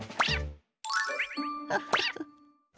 フフフ。